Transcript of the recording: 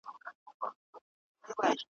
نو دي رنځ د ولادت درته آسان وي `